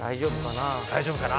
大丈夫かな？